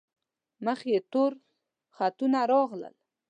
مخ یې تور خطونه راغلل.